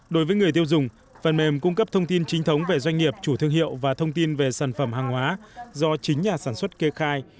đối với người tiêu dùng phần mềm cung cấp thông tin chính thống về doanh nghiệp chủ thương hiệu và thông tin về sản phẩm hàng hóa do chính nhà sản xuất kê khai